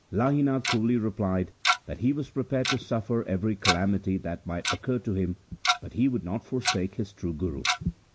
Lahina coolly replied that he was prepared to suffer every calamity that might occur to him, but he would not forsake his true Guru.